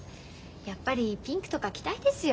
やっぱりピンクとか着たいですよ